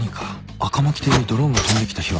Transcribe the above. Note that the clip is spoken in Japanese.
赤巻邸にドローンが飛んできた日は？